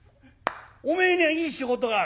おめえにはいい仕事がある。